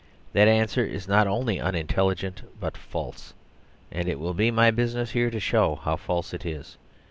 That answer is not only unintelligent but false, and it will be my busi ness here to show how false it is.